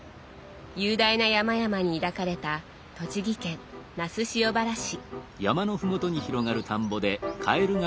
雄大な山々に抱かれた栃木県那須塩原市。